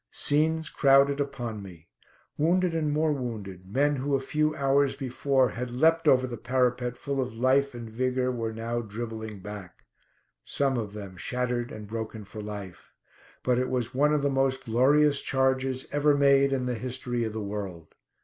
Scenes crowded upon me. Wounded and more wounded; men who a few hours before had leaped over the parapet full of life and vigour were now dribbling back. Some of them shattered and broken for life. But it was one of the most glorious charges ever made in the history of the world.